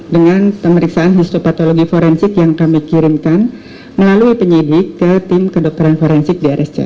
dengan pemeriksaan histopatologi forensik yang kami kirimkan melalui penyidik ke tim kedokteran forensik di rsc